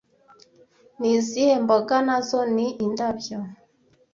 Ni izihe mboga nazo ni indabyo